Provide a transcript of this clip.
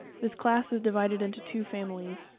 This class is divided into two families.